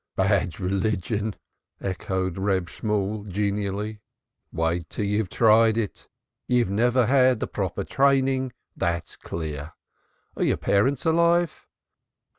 "Bad religion!" echoed Reb Shemuel genially. "Wait till you've tried it. You've never had a proper training, that's clear. Are your parents alive?"